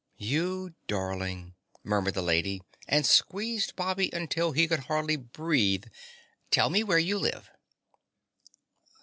"You darling!" murmured the lady and squeezed Bobby until he could hardly breathe. "Tell me where you live."